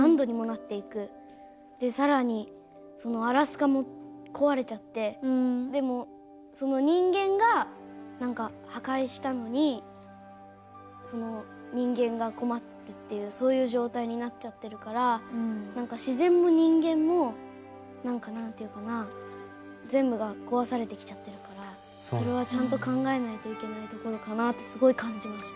で更にアラスカも壊れちゃってでも人間が破壊したのに人間が困るっていうそういう状態になっちゃってるから自然も人間もなんていうかな全部が壊されてきちゃってるからそれはちゃんと考えないといけないところかなってすごい感じました。